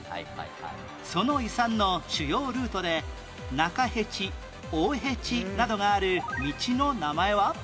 その遺産の主要ルートで中辺路大辺路などがある道の名前は？